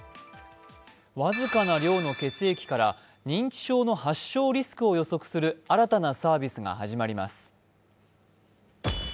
僅かな量の血液から認知症の発症リスクを予測する新たなサービスが始まります。